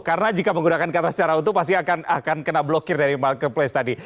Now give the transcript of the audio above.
karena jika menggunakan kata secara utuh pasti akan kena blokir dari marketplace tadi